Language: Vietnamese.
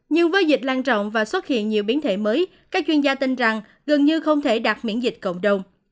nhưng với dịch lan trọng và xuất hiện nhiều biến thể mới các chuyên gia tin rằng gần như không thể đạt miễn dịch cộng đồng